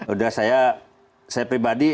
udah saya pribadi